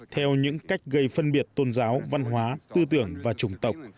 theo những cách gây phân biệt tôn giáo văn hóa tư tưởng và trùng tộc